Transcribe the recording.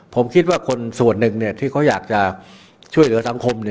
ผมคิดว่าคนส่วนหนึ่งที่เขาอยากจะช่วยเหลือสังคม